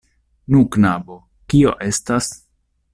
Nu, knabo, kio estas?